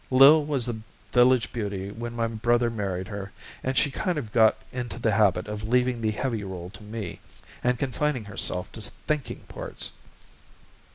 Lil was the village beauty when my brother married her, and she kind of got into the habit of leaving the heavy role to me, and confining herself to thinking parts.